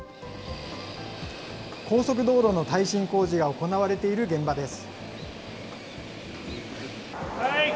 高速道路の耐震工事が行われている現場です。